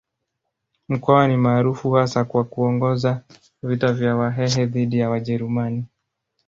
Mkwawa ni maarufu hasa kwa kuongoza vita vya Wahehe dhidi ya Wajerumani.